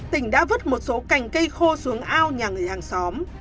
tỉnh đã vứt một số cành cây khô xuống ao nhà người hàng xóm